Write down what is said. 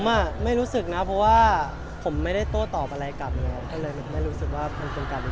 ผมอ่ะไม่รู้สึกนะเพราะว่าผมไม่ได้โต้ตอบอะไรกับเลยไม่รู้สึกว่าอันกันกลับอีกแค่เดียว